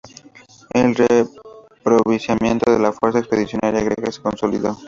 El reaprovisionamiento de la fuerza expedicionaria griega se consolidó.